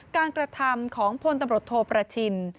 กระทำของพลตำรวจโทประชิน